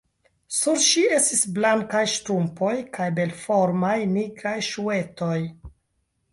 Sur ŝi estis blankaj ŝtrumpoj kaj belformaj, nigraj ŝuetoj.